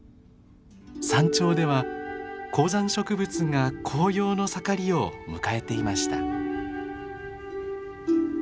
山頂では高山植物が紅葉の盛りを迎えていました。